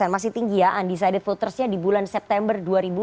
masih tinggi ya undecided votersnya di bulan september dua ribu dua puluh